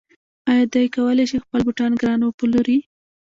آیا دی کولی شي خپل بوټان ګران وپلوري؟